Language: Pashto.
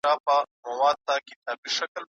د کمپیوټر ساینس پوهنځۍ سمدلاسه نه تطبیقیږي.